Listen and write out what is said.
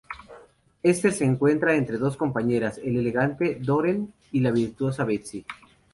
Esther se encuentra entre dos compañeras, la elegante Doreen y la virtuosa Betsy.